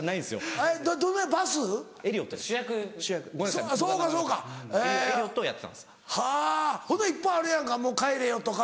はぁほんならいっぱいあるやんか「もう帰れよ」とか。